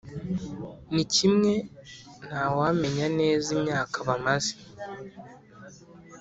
ni kimwe ntawamenya neza imyaka bamaze